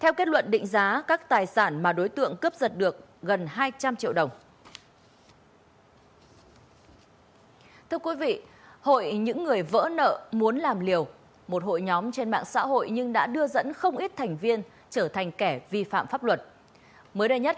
hãy đăng ký kênh để nhận thông tin nhất